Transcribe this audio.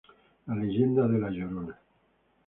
La leyenda de la llorona